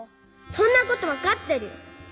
そんなことわかってる！